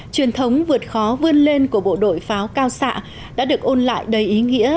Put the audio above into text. truyền thống vượt khó vươn lên của bộ đội pháo cao xạ đã được ôn lại đầy ý nghĩa